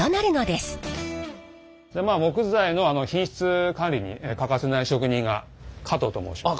木材の品質管理に欠かせない職人が加藤と申します。